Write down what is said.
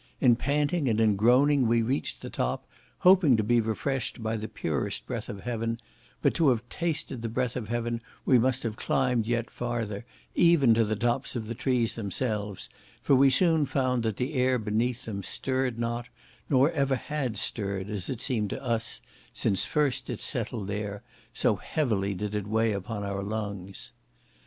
In panting and in groaning we reached the top, hoping to be refreshed by the purest breath of heaven; but to have tasted the breath of heaven we must have climbed yet farther, even to the tops of the trees themselves, for we soon found that the air beneath them stirred not, nor ever had stirred, as it seemed to us, since first it settled there, so heavily did it weigh upon our lungs.